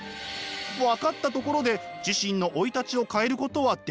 わかったところで自身の生い立ちを変えることはできない。